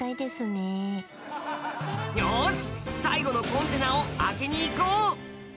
よし最後のコンテナを開けに行こう！